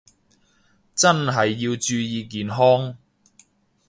真係要注意健康